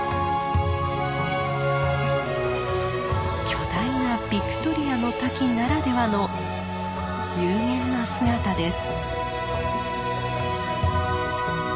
巨大なビクトリアの滝ならではの幽玄な姿です。